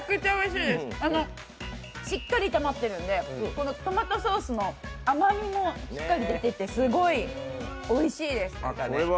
しっかり炒まってるんでトマトソースの甘味もしっかり出ていてすごいおいしいです。